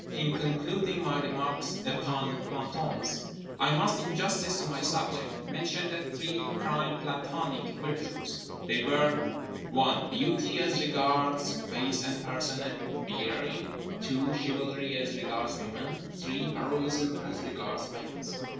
In concluding my remarks upon plantons I must, in justice to my subject, mention the three prime plantonic virtues—they were (1) beauty, as regards face and person and bearing, (2) chivalry, as regards women, (3) heroism, as regards males.